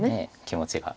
気持ちが。